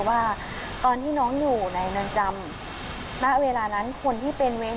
ว่าหลังจากที่คุณแม่เผาน้องไปแล้ว